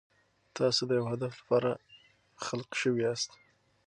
تاسو د یو هدف لپاره خلق شوي یاست.